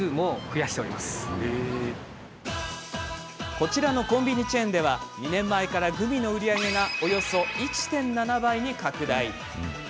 こちらのコンビニチェーンでは２年前からグミの売り上げがおよそ１．７倍に拡大。